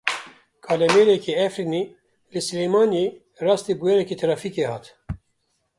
Kalemêrekî Efrînê li Silêmaniyê rastî bûyereke trafîkê hat.